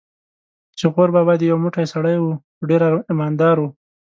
چې غور بابا دې یو موټی سړی و، خو ډېر ایمان دار و.